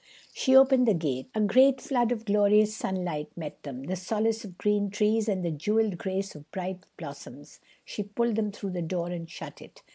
She opened the gate. A great flood of glorious sunlight met them, the solace of green trees and the jeweled grace of bright blossoms. She pulled them through the door, and shut it.